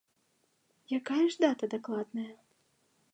Якая ж дата дакладная?